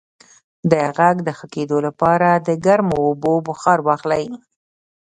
د غږ د ښه کیدو لپاره د ګرمو اوبو بخار واخلئ